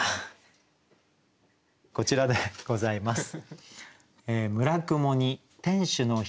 こちらでございます。